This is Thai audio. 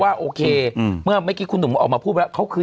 โอเคเมื่อเมื่อกี้คุณหนุ่มออกมาพูดว่าเขาคือ